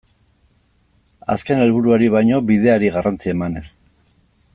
Azken helburuari baino bideari garrantzia emanez.